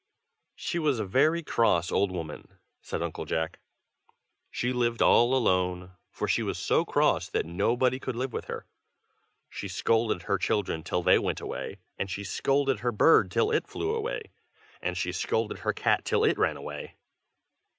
"She was a very cross old woman," said Uncle Jack. "She lived all alone, for she was so cross that nobody could live with her. She scolded her children till they went away, and she scolded her bird till it flew away, and she scolded her cat till it ran away.